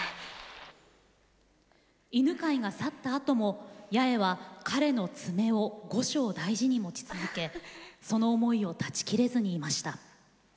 犬飼が去ったあとも八重は彼の爪を後生大事に持ち続けその思いを断ち切れずにいました。